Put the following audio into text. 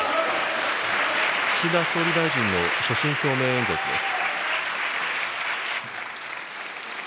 岸田総理大臣の所信表明演説です。